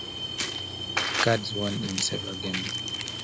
The Cards won in seven games.